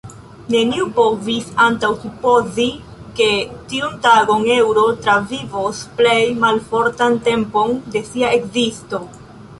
Neniu povis antaŭsupozi, ke tiun tagon eŭro travivos plej malfortan tempon de sia ekzisto.